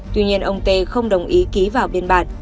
tuy nhiên ông tê không đồng ý ký vào biên bản